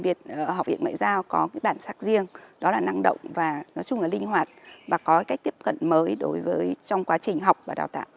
sinh viên việt ở học viện ngoại giao có cái bản sắc riêng đó là năng động và nói chung là linh hoạt và có cái tiếp cận mới đối với trong quá trình học và đào tạo